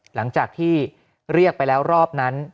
หลังจากที่เรียกไปแล้วรอบนั้น